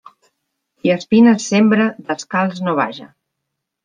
Qui espines sembra, descalç no vaja.